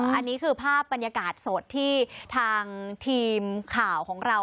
อันนี้คือภาพบรรยากาศสดที่ทางทีมข่าวของเรา